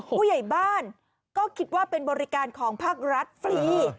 ผู้ใหญ่บ้านก็คิดว่าเป็นบริการของภาครัฐฟรี